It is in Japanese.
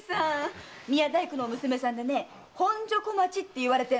宮大工の娘さんで「本所小町」と言われてるの。